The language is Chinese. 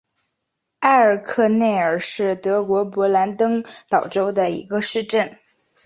埃尔克内尔是德国勃兰登堡州的一个市镇。